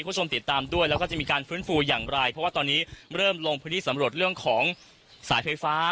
คุณผู้ชมติดตามด้วยแล้วก็จะมีการฟื้นฟูอย่างไรเพราะว่าตอนนี้เริ่มลงพื้นที่สำรวจเรื่องของสายไฟฟ้า